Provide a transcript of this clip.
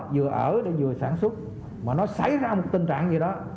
vừa ở vừa sản xuất mà nó xảy ra một tình trạng như đó